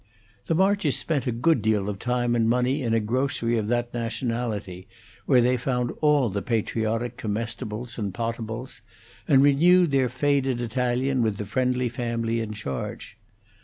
The Marches spent a good deal of time and money in a grocery of that nationality, where they found all the patriotic comestibles and potables, and renewed their faded Italian with the friendly family in charge.